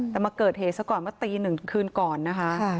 แต่มาเกิดเหตุสักก่อนตี๑คืนก่อนนะคะ